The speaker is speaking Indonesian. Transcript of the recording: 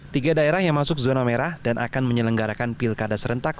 tiga daerah yang masuk zona merah dan akan menyelenggarakan pilkada serentak